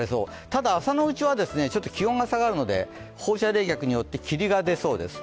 ただ朝のうちは気温が下がるので放射冷却によって霧が出そうです。